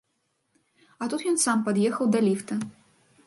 А тут ён сам пад'ехаў да ліфта.